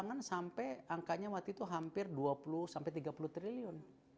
pengurangan sampai angkanya waktu itu hampir rp dua puluh tiga puluh triliun